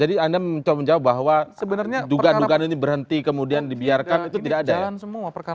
jadi anda menjawab bahwa duga duga ini berhenti kemudian dibiarkan itu tidak ada ya